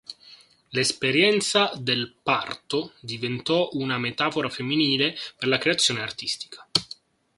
L'esperienza del parto diventò una metafora femminile per la creazione artistica.